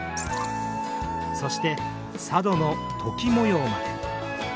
そして佐渡のトキ模様まで。